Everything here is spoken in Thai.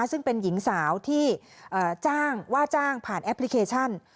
ซึ่งเป็นหญิงสาวที่จ้างว่าจ้างผ่านแอปพลิเคชัน